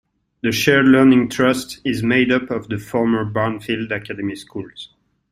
The Shared Learning Trust is made up of the former Barnfield Academy Schools.